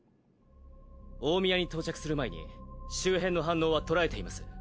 大宮に到着する前に周辺の反応はとらえています。